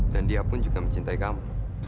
dan dia pun juga mencintai kamu